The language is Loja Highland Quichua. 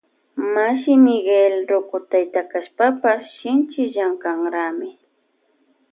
Mashi Miguel ruku tayta kashpapash shinchi llankanrami.